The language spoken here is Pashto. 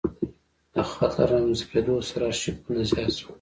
د خط له رامنځته کېدو سره ارشیفونه زیات شول.